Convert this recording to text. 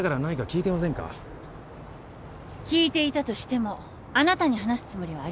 聞いていたとしてもあなたに話すつもりはありません。